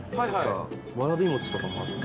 わらび餅とかもあって。